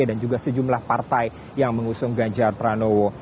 dan juga sejumlah partai yang mengusung ganjar pranowo